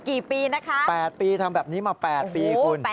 กี่ปีนะคะ๘ปีทำแบบนี้มา๘ปีคุณ